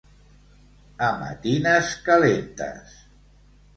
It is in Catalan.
A matines calentes.